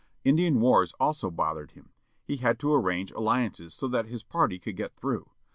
Indian wars also bothered him. He had to arrange alliances so that his party could get through.